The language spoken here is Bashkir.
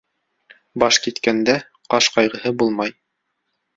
Баш киткәндә, ҡаш ҡайғыһы булмай.